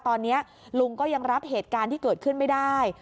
ตอนนี้ลุงก็ยังรับเหตุการณ์ที่เกิดขึ้นไม่ได้